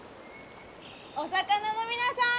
お魚の皆さん